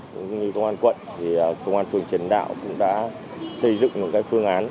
cũng như công an quận công an phương triển đạo cũng đã xây dựng những phương án